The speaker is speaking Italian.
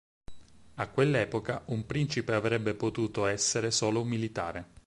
A quell'epoca un principe avrebbe potuto essere solo un militare.